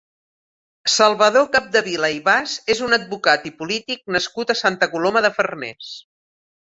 Salvador Capdevila i Bas és un advocat i polític nascut a Santa Coloma de Farners.